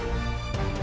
aku akan mati